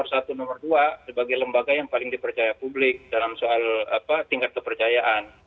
satu nomor dua sebagai lembaga yang paling dipercaya publik dalam soal tingkat kepercayaan